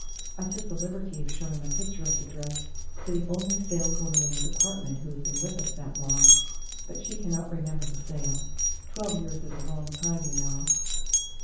I took the liberty of showing a picture of the dress to the only saleswoman in the department who has been with us that long, but she cannot remember the sale. Twelve years is a long time, you know."